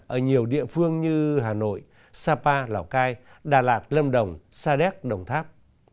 ở nhiều địa phương như hà nội sapa lào cai đà lạt lâm đồng sa đéc đồng tháp